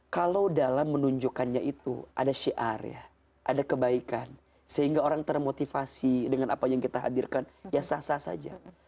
kalau dalam menunjukkannya itu ada syiar ya ada kebaikan sehingga orang termotivasi dengan apa yang kita hadirkan ya sah sah saja